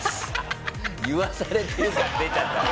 言わされてる感出ちゃった。